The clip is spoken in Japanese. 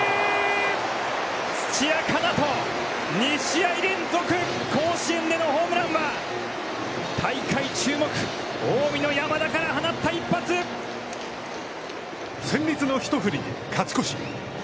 土屋奏人、２試合連続甲子園でのホームランは、大会注目、近江の山田から放った一発！戦慄の一振りで勝ち越し。